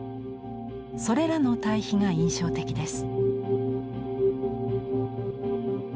それらの対比が印象的です。